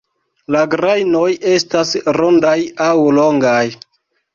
La grajnoj estas rondaj aŭ longaj.